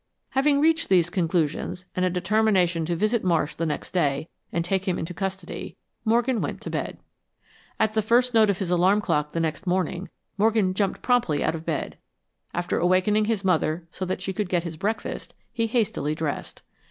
Having reached these conclusions, and a determination to visit Marsh the next day and take him into custody, Morgan went to bed. At the first note from his alarm clock the next morning, Morgan jumped promptly out of bed. After awakening his mother so that she could get his breakfast, he hastily dressed.